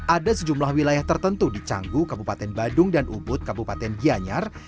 ada sejumlah wilayah tertentu di canggu kabupaten badung dan ubud kabupaten gianyar